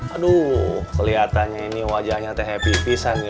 aduh kelihatannya ini wajahnya te happy peasyan nih